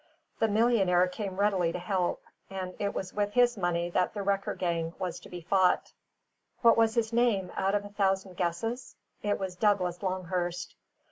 The millionaire came readily to help; and it was with his money that the wrecker gang was to be fought. What was his name, out of a thousand guesses? It was Douglas Longhurst.